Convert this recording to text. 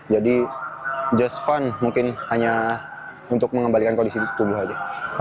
jadi just fun mungkin hanya untuk mengembalikan kondisi tubuh saja